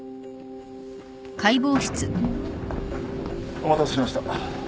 お待たせしました。